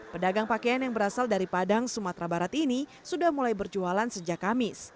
pedagang pakaian yang berasal dari padang sumatera barat ini sudah mulai berjualan sejak kamis